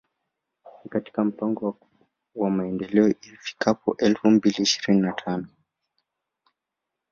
Ni katika mpango wa Maendeleo ifikapo elfu mbili ishirini na tano